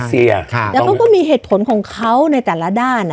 รัสเซียค่ะแล้วก็มีเหตุผลของเขาในแต่ละด้านอ่ะ